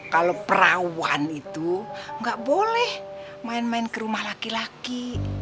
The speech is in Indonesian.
kalau perawan itu nggak boleh main main ke rumah laki laki